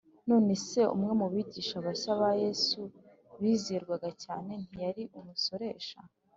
none se umwe mu bigishwa bashya ba yesu bizerwaga cyane ntiyari umusoresha?